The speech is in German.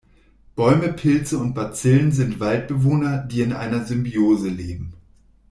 Bäume, Pilze und Bazillen sind Waldbewohner, die in einer Symbiose leben.